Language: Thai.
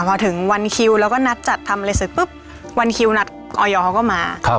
พอถึงวันคิวเราก็นัดจัดทำอะไรสิปุ๊บวันคิวนัดออยอเขาก็มาครับ